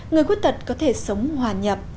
người khuyết tật có thể sống hòa nhập